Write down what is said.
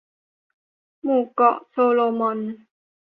หมู่เกาะโซโลมอน